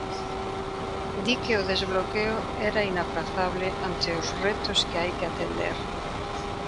Di que o desbloqueo era inaprazable ante os retos que hai que atender.